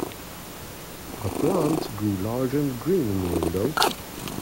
The plant grew large and green in the window.